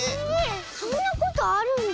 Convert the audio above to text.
そんなことあるんだ。